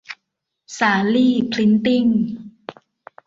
สาลี่ พริ้นท์ติ้ง